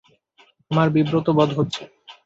আমার বিব্রতবোধ হচ্ছে।